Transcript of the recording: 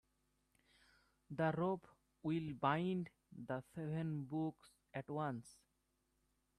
The rope will bind the seven books at once.